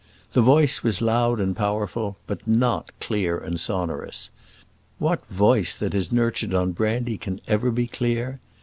The voice was loud and powerful, but not clear and sonorous. What voice that is nurtured on brandy can ever be clear?